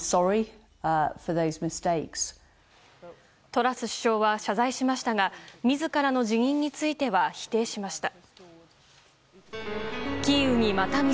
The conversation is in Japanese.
トラス首相は謝罪しましたが自らの辞任については否定しました。